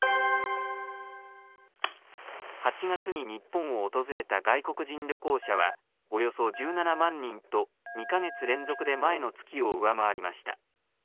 ８月に日本を訪れた外国人旅行者はおよそ１７万人と、２か月連続で前の月を上回りました。